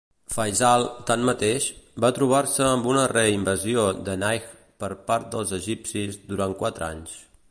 Faisal, tanmateix, va trobar-se amb una re-invasió de Najd per part dels egipcis durant quatre anys.